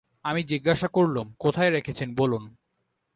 আমি জিজ্ঞাসা করলুম, কোথায় রেখেছেন বলুন।